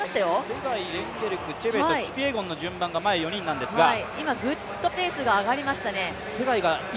ツェガイ、レンゲルク、キピエゴンの順番が前なんですが今、ぐっとペースが上がりました。